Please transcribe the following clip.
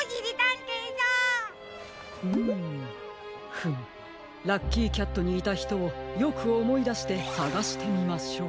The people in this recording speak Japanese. フムラッキーキャットにいたひとをよくおもいだしてさがしてみましょう。